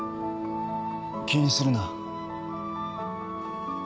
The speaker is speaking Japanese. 気にするな。